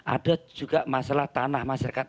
ada juga masalah tanah masyarakat